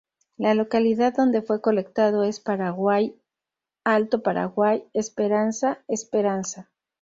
La localidad donde fue colectado es: Paraguay, Alto Paraguay, Esperanza, Esperanza.